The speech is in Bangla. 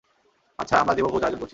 আচ্ছা, - আমরা দেব ভোজ আয়োজন করছি।